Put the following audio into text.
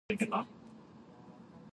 我们收集您个人信息的来源类别；